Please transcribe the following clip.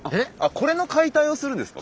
これの解体をするんですか？